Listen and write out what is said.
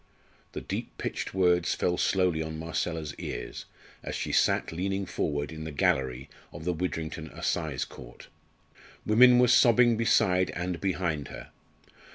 The deep pitched words fell slowly on Marcella's ears, as she sat leaning forward in the gallery of the Widrington Assize Court. Women were sobbing beside and behind her.